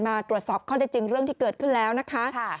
มาตรวจสอบข้อได้จริงเรื่องที่เกิดขึ้นแล้วนะคะ